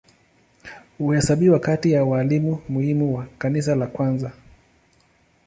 Huhesabiwa kati ya walimu muhimu wa Kanisa la kwanza.